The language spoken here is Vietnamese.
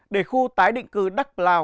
để khu tái định cư đắk lào